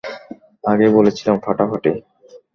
আগেই বলেছিলাম, ফাটাফাটি।